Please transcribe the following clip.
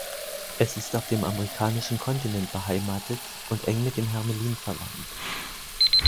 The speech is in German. Es ist auf dem amerikanischen Kontinent beheimatet und eng mit dem Hermelin verwandt.